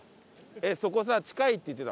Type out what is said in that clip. そこさ近いって言ってた？